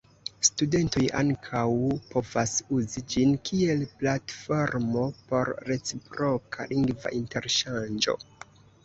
Studentoj ankaŭ povas uzi ĝin kiel platformo por reciproka lingva interŝanĝo.